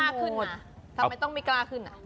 ทำไมต้องไม่กล้าขึ้นอ่ะ